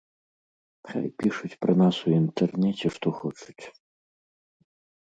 Хай пішуць пра нас у інтэрнэце што хочуць.